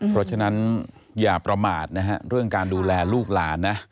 เพราะฉะนั้นอย่าประมาทนะฮะเรื่องการดูแลลูกหลานนะ